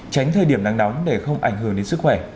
tránh thời điểm nắng nóng để không ảnh hưởng đến sức khỏe